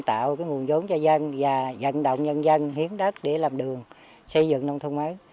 tạo cái nguồn giống cho dân và dần động nhân dân hiến đất để làm đường xây dựng nông thuận mới